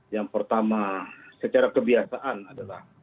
yang pertama secara kebiasaan adalah